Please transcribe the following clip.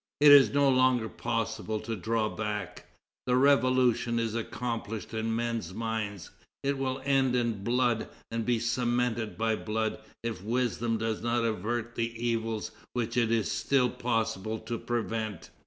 It is no longer possible to draw back. The Revolution is accomplished in men's minds; it will end in blood and be cemented by blood if wisdom does not avert the evils which it is still possible to prevent....